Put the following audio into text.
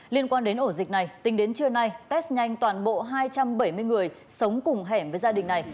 liên quan đến ổ dịch này tính đến trưa nay test nhanh toàn bộ hai trăm bảy mươi người sống cùng hẻm với gia đình này